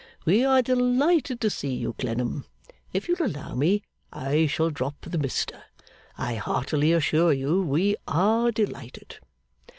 We are delighted to see you, Clennam (if you'll allow me, I shall drop the Mister); I heartily assure you, we are delighted.